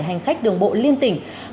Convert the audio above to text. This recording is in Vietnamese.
hành khách đường bộ liên tỉnh